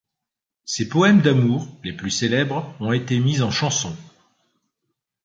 Ses poèmes d'amour les plus célèbres ont été mis en chanson.